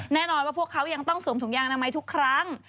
แน่นอนว่าพวกเขายังต้องสวมถุงยางอนามัยทุกครั้ง